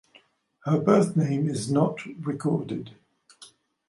Her birth name is not recorded.